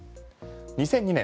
２００２年